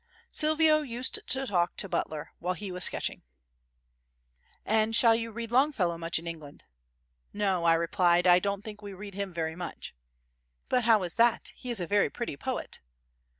Silvio used to talk to Butler while he was sketching. "And you shall read Longfellow much in England?" "No," I replied, "I don't think we read him very much." "But how is that? He is a very pretty poet."